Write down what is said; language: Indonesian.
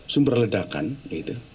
sumber ledakan itu